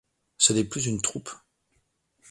Ce n'est plus une troupe.